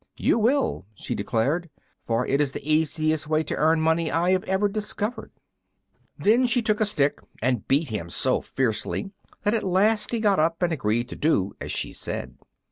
"You will," she declared, "for it is the easiest way to earn money I have ever discovered." Then she took a stick and beat him so fiercely that at last he got up, and agreed to do as she said.